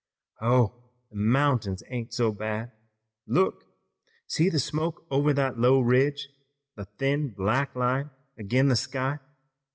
Oh, the mountains ain't so bad. Look! See the smoke over that low ridge, the thin black line ag'in the sky.